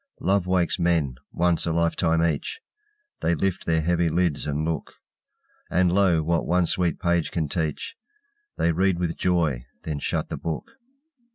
Love wakes men, once a lifetime each; They lift their heavy lids, and look; And, lo, what one sweet page can teach, They read with joy, then shut the book.